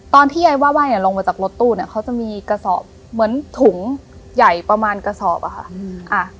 ตอนที่ยายว่าไห้เนี่ยลงมาจากรถตู้เนี่ยเขาจะมีกระสอบเหมือนถุงใหญ่ประมาณกระสอบอะค่ะ